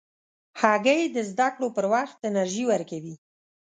هګۍ د زده کړو پر وخت انرژي ورکوي.